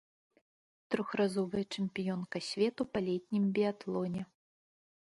Трохразовая чэмпіёнка свету па летнім біятлоне.